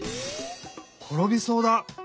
ころびそうだ！